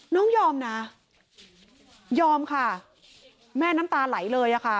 น้องยอมนะยอมค่ะแม่น้ำตาไหลเลยอะค่ะ